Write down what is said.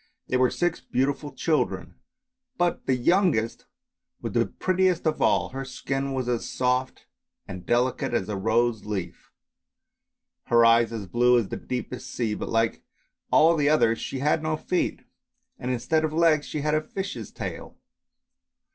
They were six beautiful children, but the youngest was the prettiest of all, her skin was as soft and delicate as a rose leaf, her eyes as blue as the deepest sea, but like all the others she had no feet, and instead of legs she had a fish's tail.